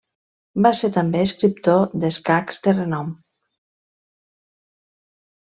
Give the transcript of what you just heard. Va ser també escriptor d'escacs de renom.